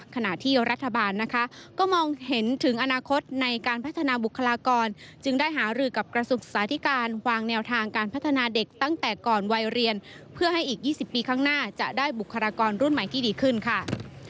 ขณะที่รัฐบาลนะคะก็มองเห็นถึงอนาคตในการพัฒนาบุคลากรจึงได้หารือกับกระทรวงศึกษาธิการวางแนวทางการพัฒนาเด็กตั้งแต่ก่อนวัยเรียนเพื่อให้อีก๒๐ปีข้างหน้าจะได้บุคลากรรุ่นใหม่ที่ดีขึ้นค่ะ